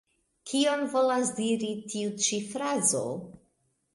Kion volas diri tiu ĉi frazo?